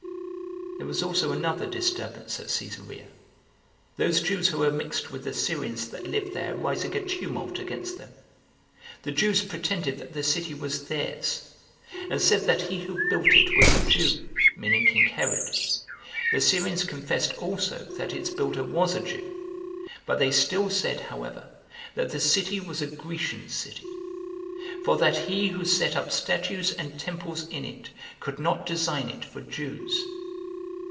7. There was also another disturbance at Cesarea, those Jews who were mixed with the Syrians that lived there rising a tumult against them. The Jews pretended that the city was theirs, and said that he who built it was a Jew, meaning king Herod. The Syrians confessed also that its builder was a Jew; but they still said, however, that the city was a Grecian city; for that he who set up statues and temples in it could not design it for Jews.